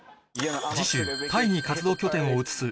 次週タイに活動拠点を移す